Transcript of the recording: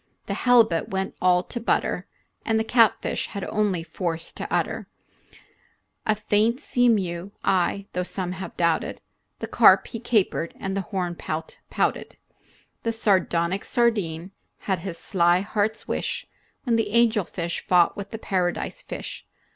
The halibut went all to butter, And the catfish had only force to utter A faint sea mew aye, though some have doubted, The carp he capered and the horn pout pouted. The sardonic sardine had his sly heart's wish When the angelfish fought with the paradise fish.